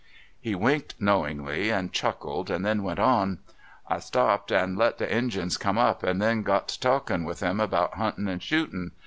He winked knowingly and cliuckled, and tlieu ft^ent on : "I stopped and let the Injuns come up, and then got to talkin' with 'em about huutin' and shootin'.